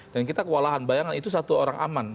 dan kita kewalahan bayangkan itu satu orang aman